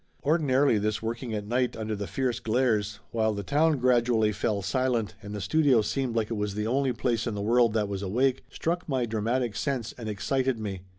Ordinarily this working at night under the fierce glares, while the town gradually fell silent and the studio seemed like it was the only place in the world that was awake, struck my dramatic sense and excited me.